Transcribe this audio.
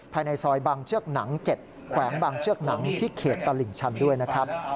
ภายในซอยบางเชือกหนัง๗แขวงบางเชือกหนังที่เขตตลิ่งชันด้วยนะครับ